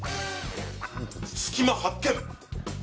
隙間、発見！